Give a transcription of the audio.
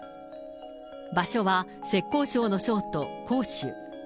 場所は浙江省の省都、こう州。